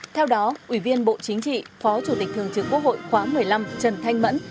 theo đó ủy viên bộ chính trị phó chủ tịch thường trực quốc hội khóa một mươi năm trần thanh mẫn